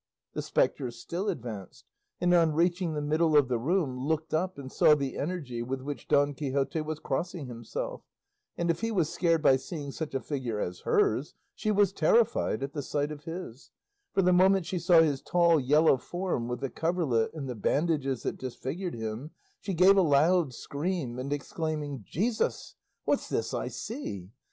The spectre still advanced, and on reaching the middle of the room, looked up and saw the energy with which Don Quixote was crossing himself; and if he was scared by seeing such a figure as hers, she was terrified at the sight of his; for the moment she saw his tall yellow form with the coverlet and the bandages that disfigured him, she gave a loud scream, and exclaiming, "Jesus! what's this I see?"